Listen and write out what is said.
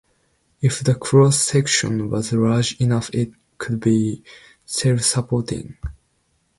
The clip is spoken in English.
If the cross-section was large enough it could be self-supporting.